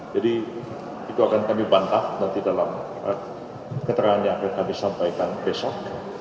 jadi itu akan kami bantah nanti dalam keterangan yang akan kami sampaikan besok